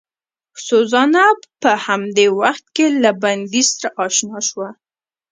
سوزانا په همدې وخت کې له بندي سره اشنا شوه.